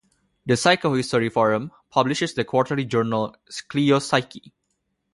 "The Psychohistory Forum", publishes the quarterly journal "Clio's Psyche".